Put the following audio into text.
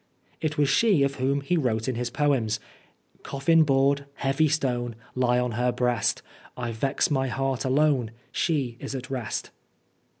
It was she of whom he wrote in his poems :" Coffin board, heavy stone, Lie on her breast. I vex my heart alone, She is at rest."